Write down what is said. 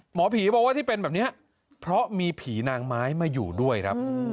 หมอผีบอกว่าที่เป็นแบบนี้เพราะมีผีนางไม้มาอยู่ด้วยครับ